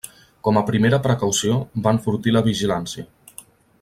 Com a primera precaució, va enfortir la vigilància.